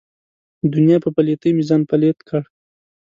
دنیا په پلیتۍ مې ځان پلیت کړ.